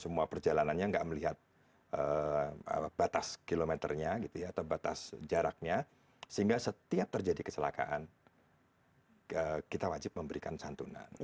semua perjalanannya nggak melihat batas kilometernya gitu ya atau batas jaraknya sehingga setiap terjadi kecelakaan kita wajib memberikan santunan